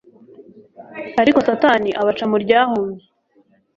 Ariko Satani abaca mu ryahumye